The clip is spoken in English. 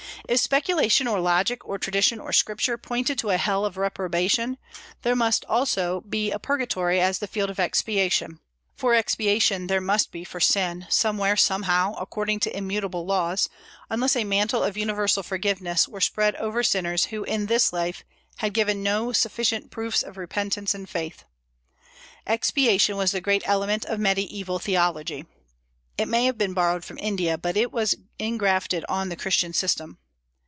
If speculation or logic or tradition or scripture pointed to a hell of reprobation, there must be also a purgatory as the field of expiation, for expiation there must be for sin, somewhere, somehow, according to immutable laws, unless a mantle of universal forgiveness were spread over sinners who in this life had given no sufficient proofs of repentance and faith. Expiation was the great element of Mediaeval theology. It may have been borrowed from India, but it was engrafted on the Christian system.